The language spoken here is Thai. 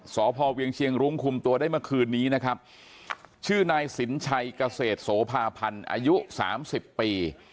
สพเวียงเชียงรุ้งคุมตัวได้เมื่อคืนนี้นะครับชื่อนายสินชัยเกษตรโสภาพันธ์อายุสามสิบปี